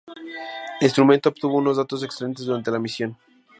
El instrumento obtuvo unos datos excelentes durante la misión.